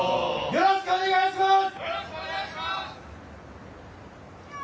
よろしくお願いします！